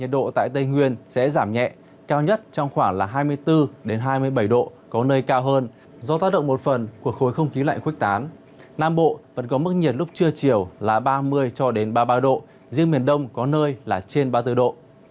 do tác động một phần của khối không kí lạnh khuếch tán nam bộ vẫn có mức nhiệt lúc trưa chiều là ba mươi ba mươi ba độ riêng miền đông có nơi là trên ba mươi bốn độ